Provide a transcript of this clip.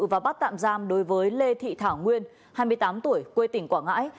và bắt tạm giam đối với lê thị thảo nguyên hai mươi tám tuổi quê tỉnh quảng ngãi